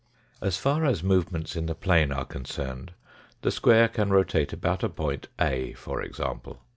As far as movements in the plane are concerned, the square can rotate about a point A, for example.